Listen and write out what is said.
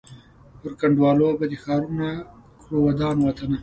پر کنډوالو به دي ښارونه کړو ودان وطنه